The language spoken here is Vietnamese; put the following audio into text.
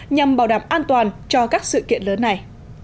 nhằm bảo đảm an toàn cho các sự kiện lớn này